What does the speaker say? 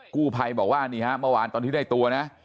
กู้ภัยบอกว่านี่ฮะเมื่อวานตอนที่ได้ตัวนะ